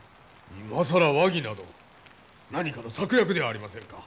今更和議など何かの策略ではありませんか？